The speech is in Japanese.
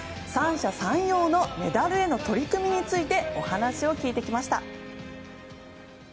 三者三様のメダルへの取り組みについてお話を聞いてきました。